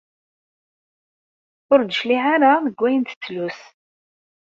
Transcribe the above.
Ur d-tecliɛ ara deg ayen tettlus.